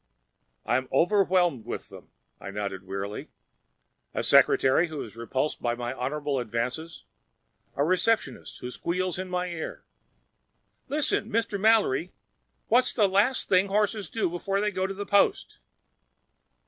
"I'm overwhelmed with them," I nodded wearily. "A secretary who repulses my honorable advances, a receptionist who squeals in my ear—" "Listen, Mr. Mallory, what's the last thing horses do before they go to the post?"